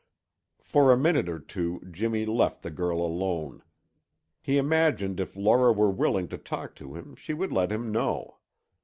For a minute or two Jimmy left the girl alone. He imagined if Laura were willing to talk to him she would let him know.